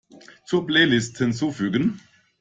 Zur Playlist hinzufügen.